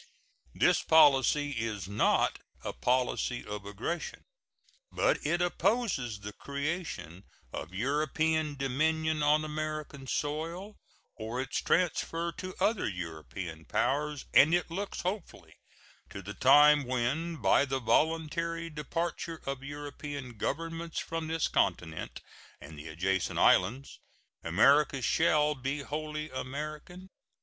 This policy is not a policy of aggression; but it opposes the creation of European dominion on American soil, or its transfer to other European powers, and it looks hopefully to the time when, by the voluntary departure of European Governments from this continent and the adjacent islands, America shall be wholly American.